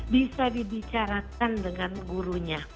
bisa dibicarakan dengan gurunya